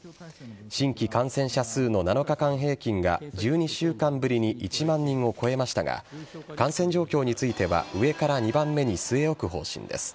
新規感染者の７日間平均が１２週間ぶりに１万人を超えましたが感染状況については上から２番目に据え置く方針です。